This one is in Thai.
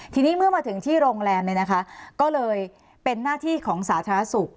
ทีนี้เมื่อมาถึงที่โรงแรมเนี่ยนะคะก็เลยเป็นหน้าที่ของสาธารณสุข